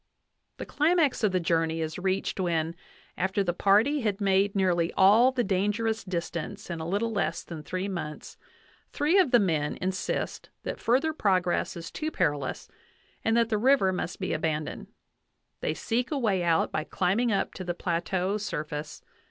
The climax of the journey is reached when, after the party had made nearly all the dangerous distance in a little less than three months, three of the men insist that further progress is too perilous, and that the river must be abandoned : they seek a way out by climbing up to the plateau surface.